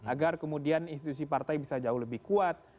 agar kemudian institusi partai bisa jauh lebih kuat